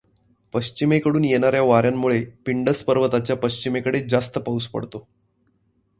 पश्चिमेकडून येणाऱ्या वाऱ्यांमुळे पिंडस पर्वताच्या पश्चिमेकडे जास्त पाउस पडतो.